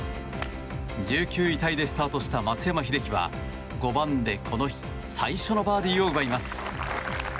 １９位タイでスタートした松山英樹は５番で、この日最初のバーディーを奪います。